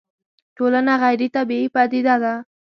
ټولنه غيري طبيعي پديده ده